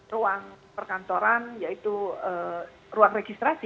ruang perkantoran yaitu ruang registrasi